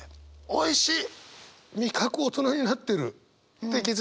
おいしい？